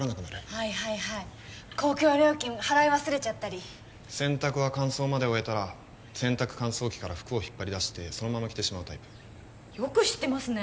はいはいはい公共料金払い忘れちゃったり洗濯は乾燥まで終えたら洗濯乾燥機から服を引っ張り出してそのまま着てしまうタイプよく知ってますね